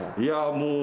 もう。